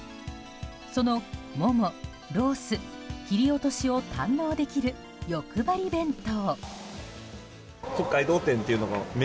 そのモモ、ロース、切り落としを堪能できる欲張り弁当。